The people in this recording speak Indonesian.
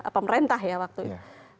pemerintah ya waktu itu